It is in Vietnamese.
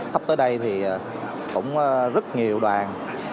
sắp tới đây thì cũng rất nhiều đoàn